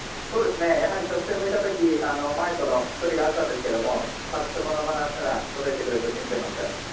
やはり直線、向いたとき前との距離があったんですけどきっと、この馬なら届いてくれると信じていました。